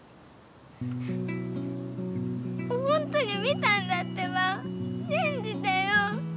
ほんとに見たんだってばしんじてよ。